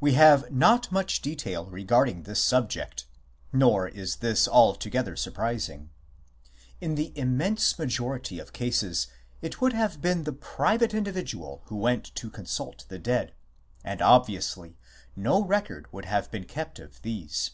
We have not much detail regarding this subject ; nor is this altogether surprising. In the immense majority of cases it would have been the private individual who went to consult the dead, and obviously no record would have been kept of these.